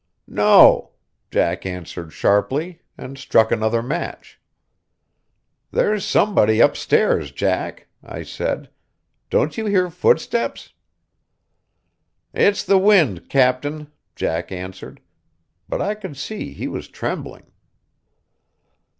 "No," Jack answered sharply, and struck another match. "There's somebody upstairs, Jack," I said. "Don't you hear footsteps?" "It's the wind, captain," Jack answered; but I could see he was trembling.